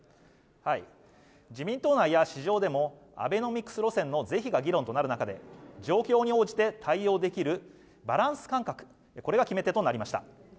自民党内や市場でもアベノミクス路線の是非が議論となる中で状況に応じて対応できるバランス感覚これが決め手となりました